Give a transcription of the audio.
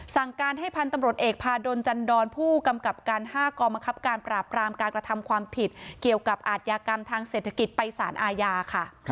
สั่งการให้พันธุ์ตำรวจเอกพาดลจันดรผู้กำกับการ๕กรมคับการปราบรามการกระทำความผิดเกี่ยวกับอาทยากรรมทางเศรษฐกิจไปสารอาญาค่ะ